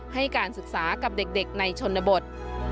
ให้การศึกษากับเด็กในชนบท